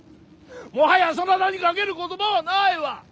もはやそなたにかける言葉はないわ。